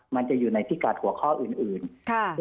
มันจะอยู่ในพิกัดหัวข้ออื่น